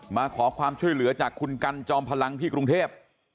มาขอความช่วยเหลือจากคุณกันจอมพลังที่กรุงเทพ